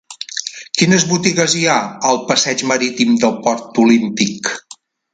Quines botigues hi ha al passeig Marítim del Port Olímpic?